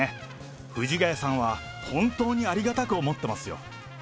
藤ヶ谷さんは本当にありがたく思ってますよ。